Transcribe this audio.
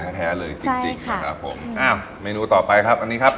อ้าวเมนูต่อไปครับอันนี้ครับ